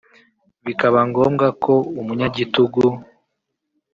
bikaba ngombwa ko umunyagitugu